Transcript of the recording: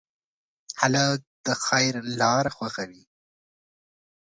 هلک د خیر لاره خوښوي.